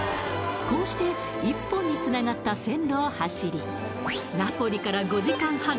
こうして１本につながった線路を走りナポリから５時間半